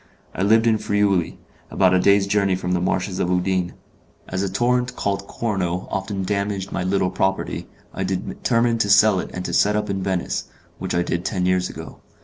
I lived in Friuli, about a day's journey from the Marshes of Udine. As a torrent called Corno often damaged my little property, I determined to sell it and to set up in Venice, which I did ten years ago.